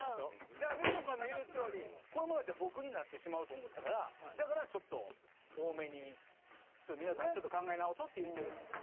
だからみちょぱの言うとおりこのままやったら僕になってしまうと思ったからだからちょっと多めに皆さんちょっと考え直そうって言ってるんですよ。